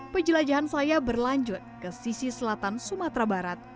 penjelajahan saya berlanjut ke sisi selatan sumatera barat